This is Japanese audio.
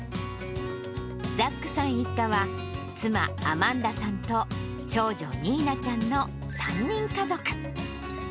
ザックさん一家は、妻、アマンダさんと長女、ミーナちゃんの３人家族。